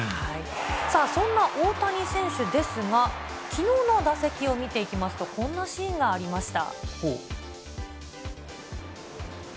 さあ、そんな大谷選手ですが、きのうの打席を見ていきますと、こんなシーンがありました。